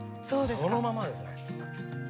そのままですね。